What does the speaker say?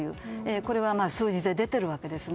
これは数字で出ているわけですね。